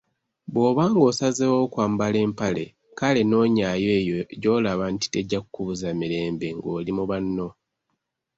Bwoba ng'osazeewo kwambala mpale, kale nonyaayo eyo gyolaba nti tejja kukubuza mirembe ngoli mu banno